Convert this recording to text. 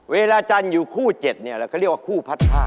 เวลาจันทร์อยู่คู่๗เนี่ยเราก็เรียกว่าคู่พัดผ้า